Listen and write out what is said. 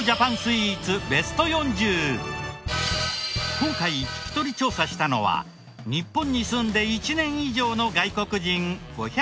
今回聞き取り調査したのは日本に住んで１年以上の外国人５１６人。